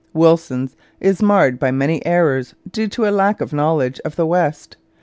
Willson's is marred by many errors due to a lack of local knowledge of the West.